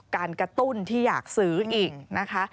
การกระตุ้นที่อยากซื้ออีกนะคะ